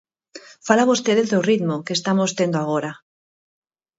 Fala vostede do ritmo que estamos tendo agora.